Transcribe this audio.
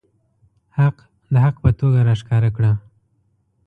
حق د حق په توګه راښکاره کړه.